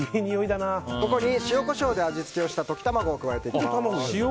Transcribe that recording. ここに塩、コショウで味付けした溶き卵を入れていきます。